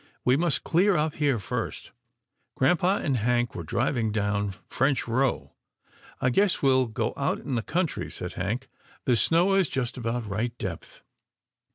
We must clear up here first." Grampa and Hank were driving down French Row. " I guess we'll go out in the country," said Hank, " the snow is just about right depth."